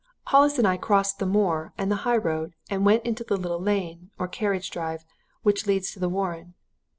"Hollis and I crossed the moor and the high road and went into the little lane, or carriage drive, which leads to the Warren.